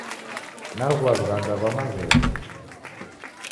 Naghua w'ughanga ghwa maghegho